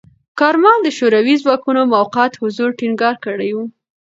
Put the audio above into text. کارمل د شوروي ځواکونو موقت حضور ټینګار کړی و.